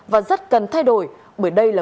và rất cần thay đổi bởi đây là